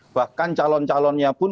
bahkan calon calonnya pun